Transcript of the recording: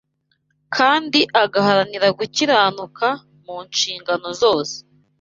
kandi agaharanira gukiranuka mu nshingano zose